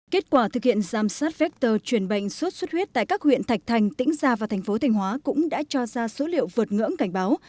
kết quả thực hiện giam sát vector truyền bệnh sốt xuất huyết tại các huyện thạch thành tĩnh gia và tp thành hóa cũng đã cho ra số liệu vượt ngưỡng cảnh báo